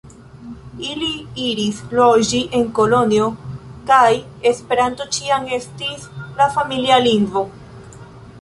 Ili iris loĝi en Kolonjo kaj Esperanto ĉiam estis la familia lingvo.